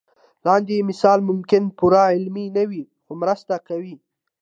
لاندې مثال ممکن پوره علمي نه وي خو مرسته کوي.